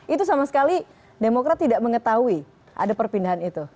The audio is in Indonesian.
itu sama sekali demokrat tidak mengetahui ada perpindahan itu